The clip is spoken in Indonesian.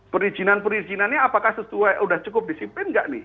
perizinan perizinannya apakah sesuai sudah cukup disiplin nggak nih